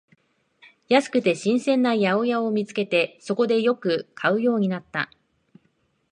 安くて新鮮な八百屋を見つけて、そこでよく買うようになった